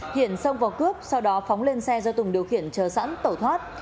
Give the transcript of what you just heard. hiển xông vào cướp sau đó phóng lên xe do tùng điều khiển chờ sẵn tẩu thoát